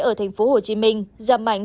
ở tp hcm giảm mạnh